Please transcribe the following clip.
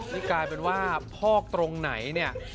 นี่กลายเป็นว่าพอกตรงไหนเนี่ย